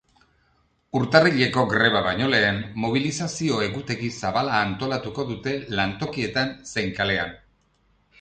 Urtarrileko greba baino lehen, mobilizazio egutegi zabala antolatuko dute lantokietan zein kalean.